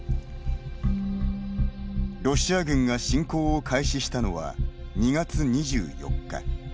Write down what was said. ロシア軍が侵攻を開始したのは２月２４日。